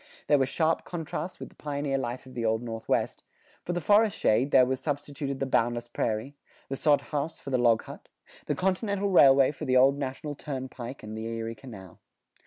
There were sharp contrasts with the pioneer life of the Old Northwest; for the forest shade, there was substituted the boundless prairie; the sod house for the log hut; the continental railway for the old National Turnpike and the Erie Canal.